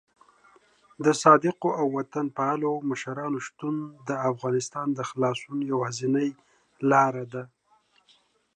د صادقو او وطن پالو مشرانو شتون د افغانستان د خلاصون یوازینۍ لاره ده.